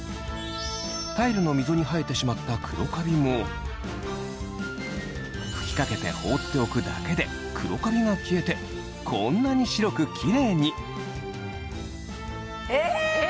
タイルの溝に生えてしまった黒カビも吹きかけて放っておくだけで黒カビが消えてこんなに白くキレイに！